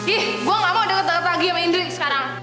ih gue gak mau denger lagi sama indri sekarang